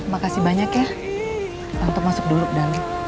terima kasih banyak ya untuk masuk dulu ke dalam